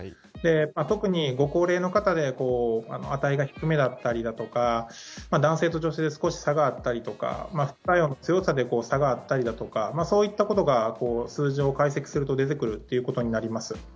特にご高齢の方で値が低めだったりだとか、男性と女性で少し差があったりとか、副作用の強さで差があったりだとか、そういったことが数字を解析すると、出てくるっていうことになります。